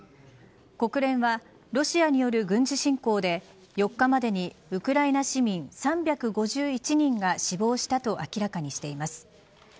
国連はロシアによる軍事侵攻で４日までにウクライナ市民３５１人が死亡したと明らかにしています。